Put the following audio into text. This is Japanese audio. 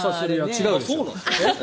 違うでしょ。